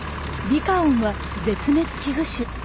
リカオンは絶滅危惧種。